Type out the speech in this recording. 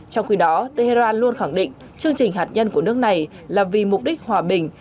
trong khi đó tehran luôn khẳng định chương trình hạt nhân của nước này là vì mục đích hòa bình